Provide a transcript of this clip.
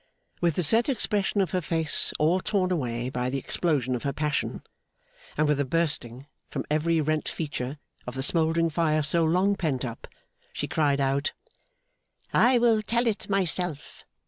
With the set expression of her face all torn away by the explosion of her passion, and with a bursting, from every rent feature, of the smouldering fire so long pent up, she cried out: 'I will tell it myself!